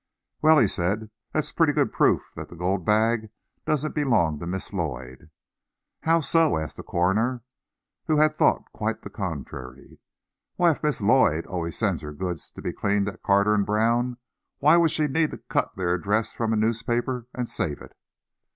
"Well," he said, "that's pretty good proof that the gold bag doesn't belong to Miss Lloyd." "How so?" asked the coroner, who had thought quite the contrary. "Why, if Miss Lloyd always sends her goods to be cleaned to Carter & Brown, why would she need to cut their address from a newspaper and save it?"